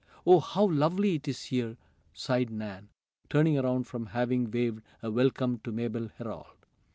"Oh, how lovely it is here," sighed Nan, turning around from having waved a welcome to Mabel Herold.